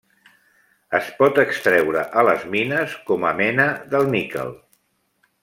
Es pot extreure a les mines com a mena del níquel.